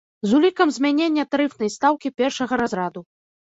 З улікам змянення тарыфнай стаўкі першага разраду.